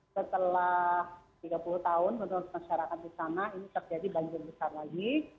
setelah tiga puluh tahun menurut masyarakat di sana ini terjadi banjir besar lagi